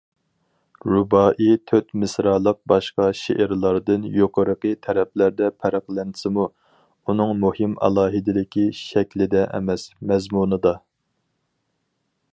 رۇبائىي تۆت مىسرالىق باشقا شېئىرلاردىن يۇقىرىقى تەرەپلەردە پەرقلەنسىمۇ، ئۇنىڭ مۇھىم ئالاھىدىلىكى شەكلىدە ئەمەس مەزمۇنىدا.